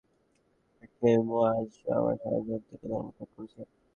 তবে কি মুয়ায আমার অজান্তেই ধর্ম ত্যাগ করেছে?